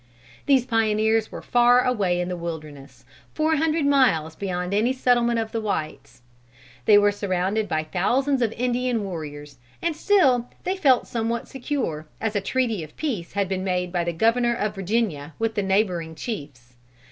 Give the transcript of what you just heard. These pioneers were far away in the wilderness, four hundred miles beyond any settlement of the whites. They were surrounded by thousands of Indian warriors, and still they felt somewhat secure, as a treaty of peace had been made by the Governor of Virginia with the neighboring chiefs.